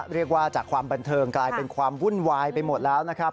เรียกว่าจากความบันเทิงกลายเป็นความวุ่นวายไปหมดแล้วนะครับ